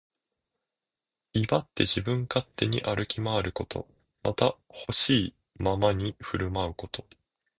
威張って自分勝手に歩き回ること。また、ほしいままに振る舞うこと。